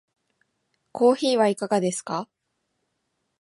コーヒーはいかがですか？